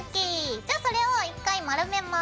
じゃあそれを１回丸めます。